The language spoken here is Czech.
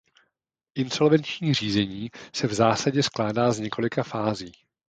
Insolvenční řízení se v zásadě skládá z několika fází.